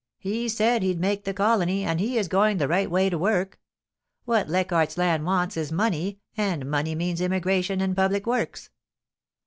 He said he'd make the colony, and he is going the right way to work. What Leichardt's Land wants is money, and money means Immigration and Public Works.